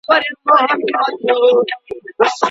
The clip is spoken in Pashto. مخکي ئې دلايل ذکر سول.